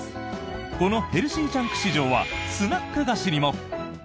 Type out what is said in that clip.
このヘルシージャンク市場はスナック菓子にも。